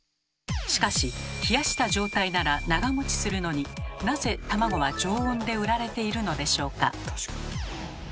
しかし冷やした状態なら長もちするのになぜ卵は常温で売られているのでしょうか？